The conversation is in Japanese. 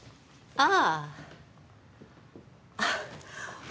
ああ。